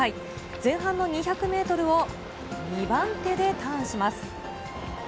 前半の２００メートルを２番手でターンします。